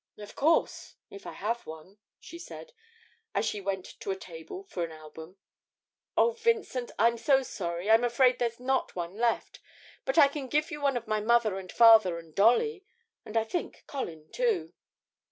'Of course, if I have one,' she said, as she went to a table for an album. 'Oh, Vincent, I'm so sorry. I'm afraid there's not one left. But I can give you one of mother and father and Dolly, and I think Colin too.'